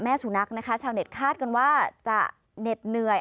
สุนัขนะคะชาวเน็ตคาดกันว่าจะเหน็ดเหนื่อย